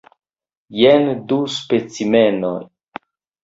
Jen du specimenoj.